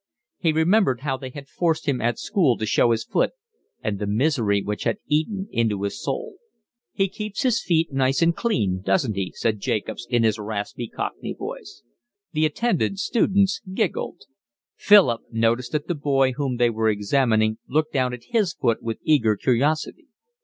He remembered how they had forced him at school to show his foot, and the misery which had eaten into his soul. "He keeps his feet nice and clean, doesn't he?" said Jacobs, in his rasping, cockney voice. The attendant students giggled. Philip noticed that the boy whom they were examining looked down at his foot with eager curiosity.